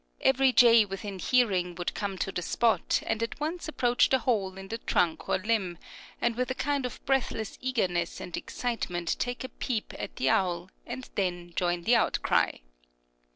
Every jay within hearing would come to the spot, and at once approach the hole in the trunk or limb, and with a kind of breathless eagerness and excitement take a peep at the owl, and then join the outcry.